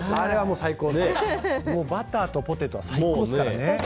バターとポテトは最高ですから。